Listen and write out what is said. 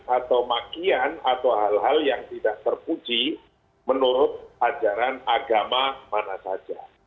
atau makian atau hal hal yang tidak terpuji menurut ajaran agama mana saja